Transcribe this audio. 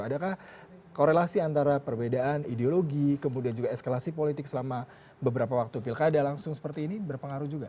adakah korelasi antara perbedaan ideologi kemudian juga eskalasi politik selama beberapa waktu pilkada langsung seperti ini berpengaruh juga